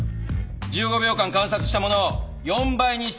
１５秒間観察したものを４倍にして算出する。